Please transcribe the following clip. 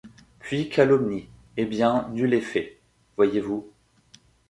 Puis calomnie. Eh bien, nul effet. Voyez-vous